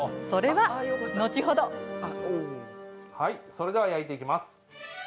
はいそれでは焼いていきます。